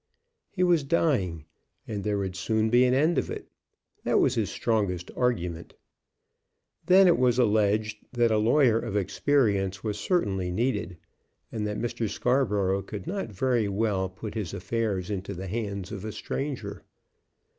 He was dying, and there would soon be an end of it. That was his strongest argument. Then it was alleged that a lawyer of experience was certainly needed, and that Mr. Scarborough could not very well put his affairs into the hands of a stranger.